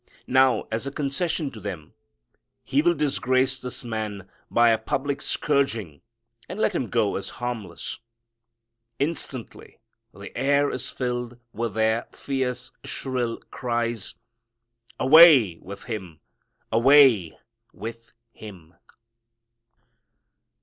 Now, as a concession to them, he will disgrace this man by a public scourging and let him go as harmless. Instantly the air is filled with their fierce shrill cries, "Away with Him: Away with Him."